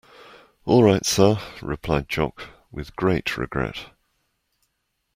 All right, Sir, replied Jock with great regret.